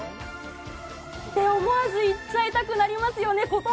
思わず言っちゃいたくなりますよね。